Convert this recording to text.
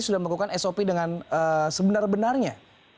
sudah melakukan sop dengan sebenar benarnya